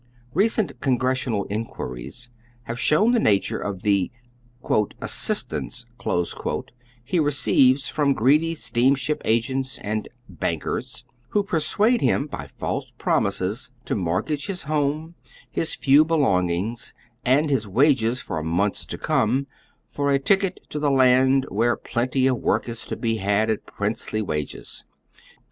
Eeeent Congressional inqniries have shown the nature of the " assistance" he receives from greedy steamship agents and "bankers," who persuade him by false promises to mortgage his homo, his few belongings, and his wages for months to come for a ticket to the land where plenty of work is to be had at princely wages.